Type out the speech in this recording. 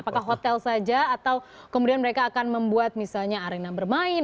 apakah hotel saja atau kemudian mereka akan membuat misalnya arena bermain